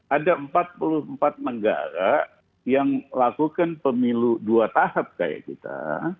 ada empat puluh empat negara yang lakukan pemilu dua tahap kayak kita